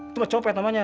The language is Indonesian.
itu mah copet namanya